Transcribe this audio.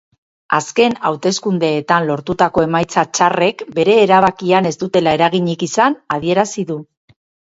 Azken hauteskundeetan lortutako emaitza txarrek bere erabakian ez dutela eraginik izan adierazi du.